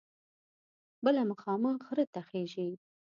بله مخامخ غره ته خیژي.